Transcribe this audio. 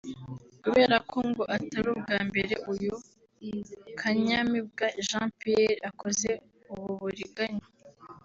Kubera ko ngo atari ubwa mbere uyu Kanyamibwa Jean Pierre akoze ubu buriganya